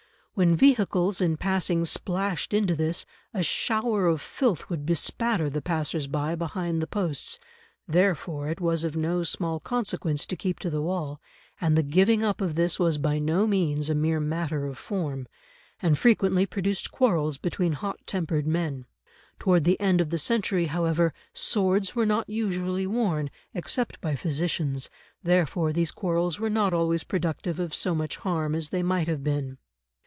When vehicles in passing splashed into this, a shower of filth would bespatter the passers by behind the posts, therefore it was of no small consequence to keep to the wall, and the giving up of this was by no means a mere matter of form, and frequently produced quarrels between hot tempered men. Toward the end of the century, however, swords were not usually worn, except by physicians, therefore these quarrels were not always productive of so much harm as they might have been.